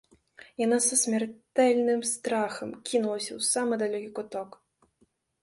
Яна са смяртэльным страхам кінулася ў самы далёкі куток.